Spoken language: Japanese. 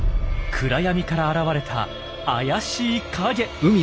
暗闇から現れた怪しい影！